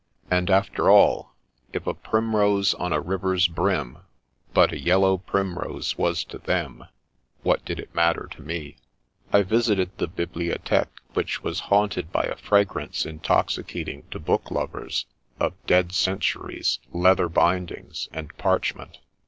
And after all, if a primrose on a river's brim, but a yellow primrose was to them, what did it matter to me ? I visited the bibliothique, which was haunted by a fragrance intoxicating to booklovers, of dead cen turies, leather bindings, and parchment.